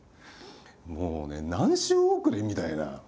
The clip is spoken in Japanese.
もうね何周遅れ？みたいな。